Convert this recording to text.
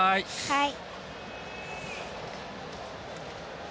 はい！